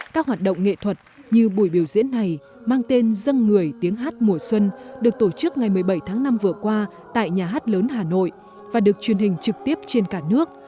các hoạt động nghệ thuật như buổi biểu diễn này mang tên dân người tiếng hát mùa xuân được tổ chức ngày một mươi bảy tháng năm vừa qua tại nhà hát lớn hà nội và được truyền hình trực tiếp trên cả nước